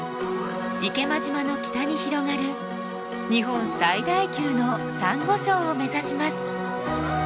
池間島の北に広がる日本最大級のサンゴ礁を目指します。